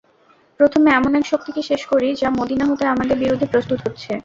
প্রথমে এমন এক শক্তিকে শেষ করি, যা মদীনা হতে আমাদের বিরুদ্ধে প্রস্তুত হচ্ছে।